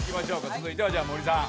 続いてはじゃあ森さん。